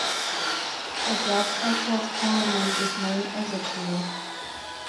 A draft Act of Parliament is known as a bill.